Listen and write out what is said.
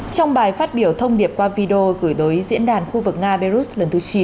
trong bài phát biểu thông điệp qua video gửi đối diễn đàn khu vực nga belarus lần thứ chín